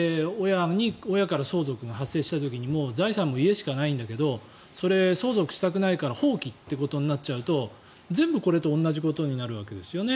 親から相続が発生した時に財産も家しかないんだけどそれ、相続したくないから放棄ということになっちゃうと全部これと同じことになるわけですよね。